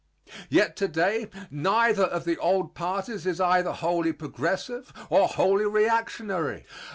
Yet to day neither of the old parties is either wholly progressive or wholly reactionary.